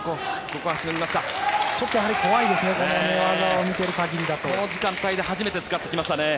この時間帯で初めて使ってきました。